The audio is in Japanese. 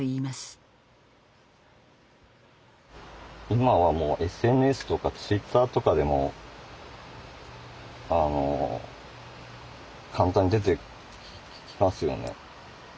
今はもうＳＮＳとかＴｗｉｔｔｅｒとかでも簡単に出てきますよね。